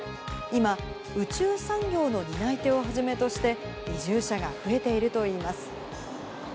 今、宇宙産業の担い手をはじめとして、移住者が増えているといいます。